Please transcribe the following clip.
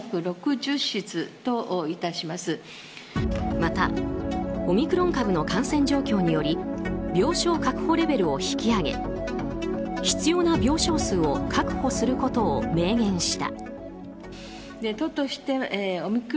また、オミクロン株の感染状況により病床確保レベルを引き上げ必要な病床数を確保することを明言した。